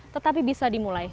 tetapi bisa dimulai